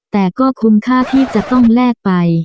แต่ก็คุ้มค่าที่จะต้องแลกไป